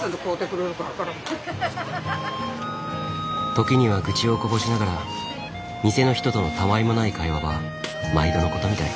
時には愚痴をこぼしながら店の人とのたわいもない会話は毎度のことみたい。